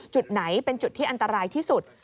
จุดไหนเป็นจุดที่อันตรายที่สุด